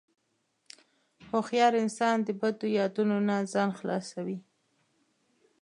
هوښیار انسان د بدو یادونو نه ځان خلاصوي.